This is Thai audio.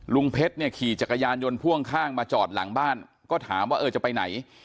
ลุงเพชรเนี่ยขี่จักรยานยนต์พ่วงข้างมาจอดหลังบ้านก็ถามว่าเออจะไปไหน